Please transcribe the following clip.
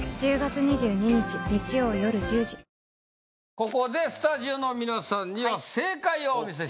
ここでスタジオの皆さんには正解をお見せします